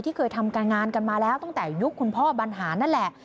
เคยทำการงานกันมาแล้วตั้งแต่ยุคคุณพ่อบรรหารนั่นแหละ